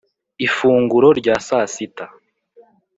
ifunguro rya sasita